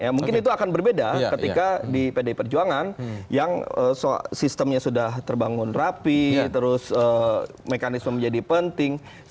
ya mungkin itu akan berbeda ketika di pdi perjuangan yang sistemnya sudah terbangun rapi terus mekanisme menjadi penting